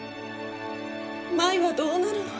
麻衣はどうなるの？